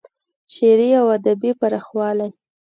شعري او ادبي پراخوالی